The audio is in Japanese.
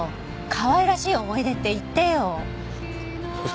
かわいらしい思い出って言ってよ。